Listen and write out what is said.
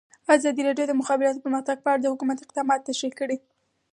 ازادي راډیو د د مخابراتو پرمختګ په اړه د حکومت اقدامات تشریح کړي.